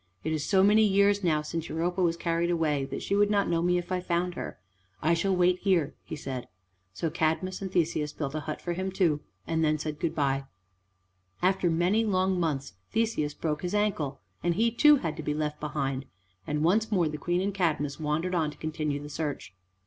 "It is so many years now since Europa was carried away that she would not know me if I found her. I shall wait here," he said. So Cadmus and Theseus built a hut for him too, and then said good by. After many long months Theseus broke his ankle, and he too had to be left behind, and once more the Queen and Cadmus wandered on to continue the search.